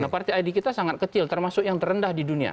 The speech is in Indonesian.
karena rti di kita sangat kecil termasuk yang terendah di dunia